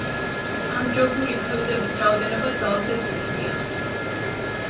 ამ ჯოგური თევზების რაოდენობა ძალზე დიდია.